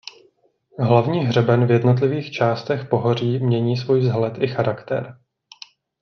Hlavní hřeben v jednotlivých částech pohoří mění svůj vzhled i charakter.